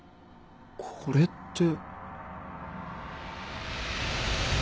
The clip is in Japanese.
これって。